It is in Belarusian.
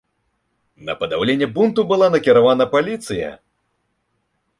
На падаўленне бунту была накіравана паліцыя.